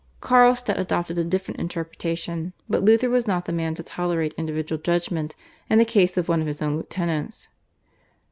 Carlstadt adopted a different interpretation, but Luther was not the man to tolerate individual judgment in the case of one of his own lieutenants.